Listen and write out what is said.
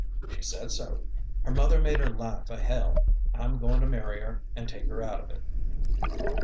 She said so. Her mother made her life a hell. I'm going to marry her, and take her out of it."